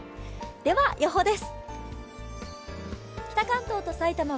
では予報です。